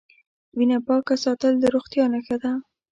وینه پاکه ساتل د روغتیا نښه ده.